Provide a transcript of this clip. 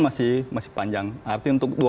masih panjang artinya untuk